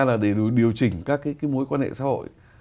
là để điều chỉnh các cái mối quan hệ xã hội